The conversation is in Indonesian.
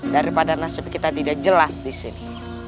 daripada nasib kita tidak jelas di sini